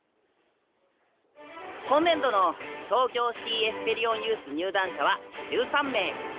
今年度の東京シティ・エスペリオンユース入団者は１３名。